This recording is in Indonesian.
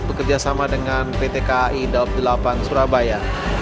bekerjasama dengan pt kai daob delapan surabaya